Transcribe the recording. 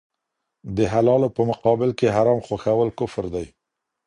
د حلالو په مقابل کي حرام خوښول کفر دی.